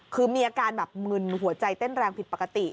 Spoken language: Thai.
คือมีอาการแบบมึนหัวใจเต้นแรงผิดปกติ